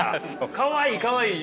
「かわいいかわいい」